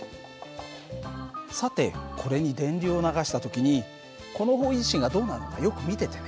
さてこれに電流を流した時にこの方位磁針がどうなるのかよく見ててね。